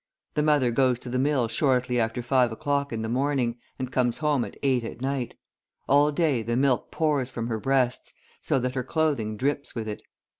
The mother goes to the mill shortly after five o'clock in the morning, and comes home at eight at night; all day the milk pours from her breasts, so that her clothing drips with it."